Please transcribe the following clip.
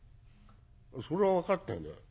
「それは分かってんだよ。